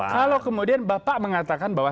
kalau kemudian bapak mengatakan bahwa